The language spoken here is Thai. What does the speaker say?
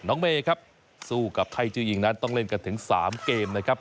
เมย์ครับสู้กับไทยจื้อยิงนั้นต้องเล่นกันถึง๓เกมนะครับ